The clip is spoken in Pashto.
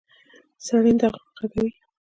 سرېنده غږوي.